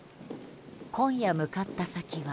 今夜、向かった先は。